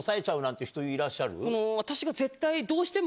私が絶対。